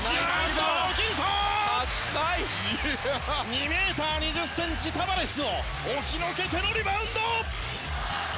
２ｍ２０ｃｍ、タバレスを押しのけてのリバウンド。